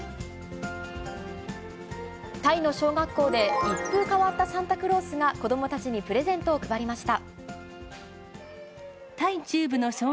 タイの小学校で一風変わったサンタクロースが、子どもたちにプレゼントを配りました。